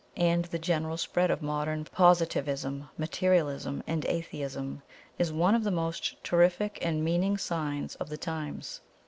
And the general spread of modern positivism, materialism and atheism is one of the most terrific and meaning signs of the times.